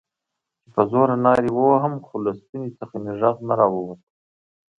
چې په زوره نارې ووهم، خو له ستوني څخه مې غږ نه راووت.